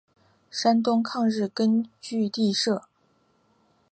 山东抗日根据地设。